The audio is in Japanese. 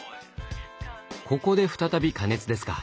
ここで再び加熱ですか。